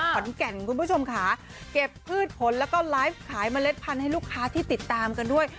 คุณผู้ชมค่ะเก็บพืชผลแล้วก็ไลฟ์ขายเมล็ดพันธุ์ให้ลูกค้าที่ติดตามกันด้วย